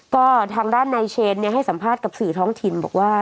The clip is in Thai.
ก็ทางด้านนายเชนให้สัมภาษณ์กับสื่อท้องถิ่นบอกว่า